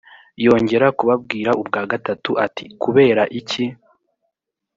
yongera kubabwira ubwa gatatu ati kubera iki